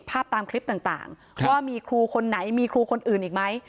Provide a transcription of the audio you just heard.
ตามคลิปต่างว่ามีครูคนไหนมีครูคนอื่นอีกไหม